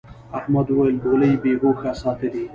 احمد وويل: گولۍ بې هوښه ساتلې.